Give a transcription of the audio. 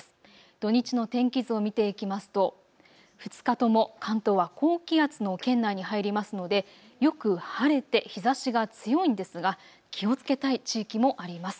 土日の天気図を見ていきますと２日とも関東は高気圧の圏内に入りますので、よく晴れて日ざしが強いんですが気をつけたい地域もあります。